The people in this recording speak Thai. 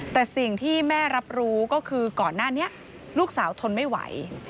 แต่สิ่งที่แม่รับรู้ก็คือก่อนหน้านี้ลูกสาวทนไม่ไหว